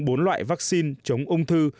bốn loại vaccine chống ung thư